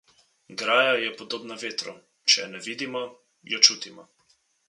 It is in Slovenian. Graja je podobna vetru: če je ne vidimo, jo čutimo.